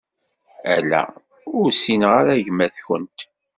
Ala, ur ssineɣ ara gma-t-kent.